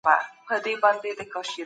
د خپل ښايسته